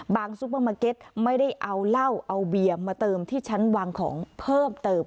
ซุปเปอร์มาร์เก็ตไม่ได้เอาเหล้าเอาเบียร์มาเติมที่ชั้นวางของเพิ่มเติม